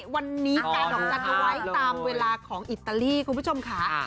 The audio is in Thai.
วันนี้กลายลองตัดไว้ตามเวลาของอิตาลีคุณผู้ชมค่ะ